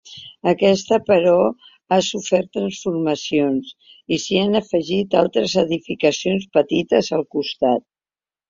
Aquesta però ha sofert transformacions i s'hi han afegit altres edificacions petites al costat.